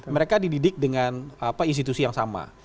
mereka dididik dengan institusi yang sama